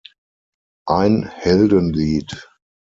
Ein Heldenlied".